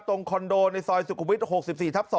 คอนโดในซอยสุขุมวิทย์๖๔ทับ๒